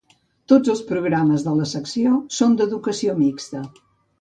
Tots els programes de la secció són d"educació mixta.